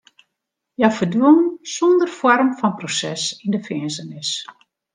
Hja ferdwûn sûnder foarm fan proses yn de finzenis.